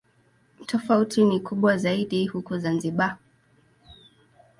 Tofauti ni kubwa zaidi huko Zanzibar.